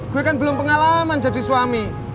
gue kan belum pengalaman jadi suami